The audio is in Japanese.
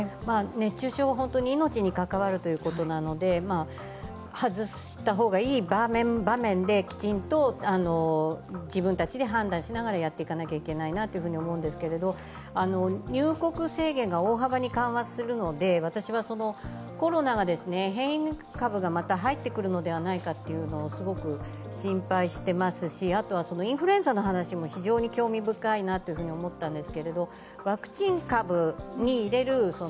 熱中症は本当に命に関わるということなので外した方がいい場面、場面で、きちんと自分たちで判断しながらやっていかなきゃいけないなと思うんですけれども、入国制限が大幅に緩和するので、コロナが、変異株がまた入ってくるのではないかとすごく心配していますし、あとはインフルエンザの話も非常に興味深いなと思ったのです。